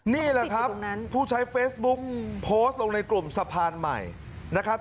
นี่แหละครับผู้ใช้เฟซบุ๊กโพสต์ลงในกลุ่มสะพานใหม่นะครับ